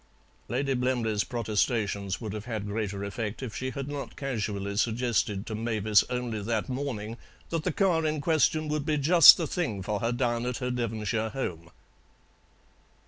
Lady Blemley's protestations would have had greater effect if she had not casually suggested to Mavis only that morning that the car in question would be just the thing for her down at her Devonshire home.